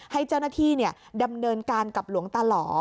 ให้เจ้าหน้าที่ดำเนินการกับหลวงตาหล่อ